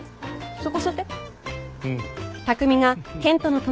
そこ座って。